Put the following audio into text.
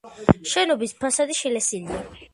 შენობის ფასადი შელესილია.